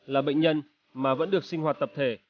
là bệnh nhân mà vẫn được sinh hoạt tập thể